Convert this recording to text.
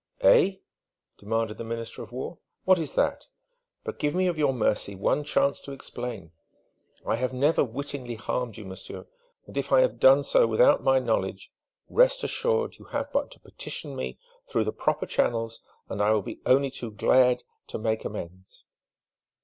"Eh?" demanded the Minister of War. "What is that? But give me of your mercy one chance to explain! I have never wittingly harmed you, monsieur, and if I have done so without my knowledge, rest assured you have but to petition me through the proper channels and I will be only too glad to make amends!"